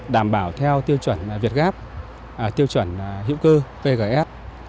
đảm bảo theo tiêu chuẩn việt gáp tiêu chuẩn hiệu cư pgs